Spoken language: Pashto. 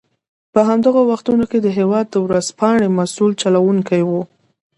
په همدغو وختونو کې د هېواد ورځپاڼې مسوول چلوونکی و.